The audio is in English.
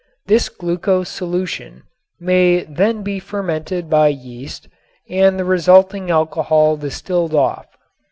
This glucose solution may then be fermented by yeast and the resulting alcohol distilled off.